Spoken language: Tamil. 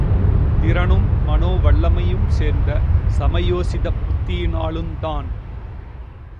திறனும் மனோ வல்லமையும் சேர்ந்த சமயோசிதப் புத்தியினாலுந்தான்.